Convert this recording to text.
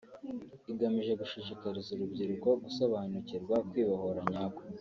igamije gushishikariza urubyiruko gusobanukirwa kwibohora nyako